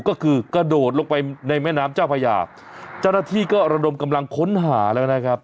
ก็คือกระโดดลงไปในแม่น้ำเจ้าพญาเจ้าหน้าที่ก็ระดมกำลังค้นหาแล้วนะครับ